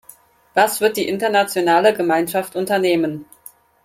Was wird die internationale Gemeinschaft unternehmen?